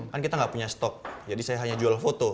kan kita nggak punya stok jadi saya hanya jual foto